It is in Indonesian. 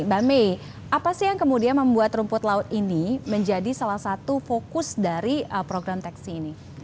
mbak may apa sih yang kemudian membuat rumput laut ini menjadi salah satu fokus dari program teksi ini